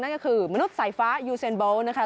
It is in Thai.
ก็คือมนุษย์สายฟ้ายูเซนบอลนะคะ